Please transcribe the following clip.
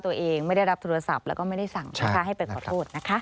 ตัวเองไม่ได้รับโทรศัพท์แล้วก็ไม่ได้สั่งนะคะให้ไปขอโทษนะคะ